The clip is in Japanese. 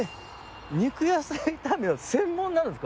肉野菜炒めの専門なんですか？